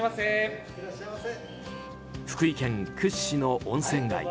福井県屈指の温泉街